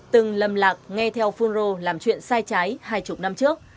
từng lầm lạc nghe theo phunro làm chuyện sai trái hai mươi năm trước